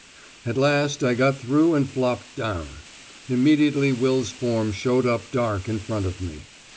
At last I got through and flopped down. Immediately Will's form showed up dark in front of me.